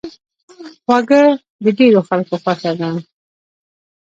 خوږه د ډېرو خلکو خوښه ده.